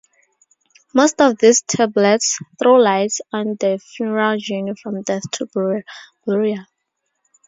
Most of these tablets throw lights on the funeral journey from death to burial.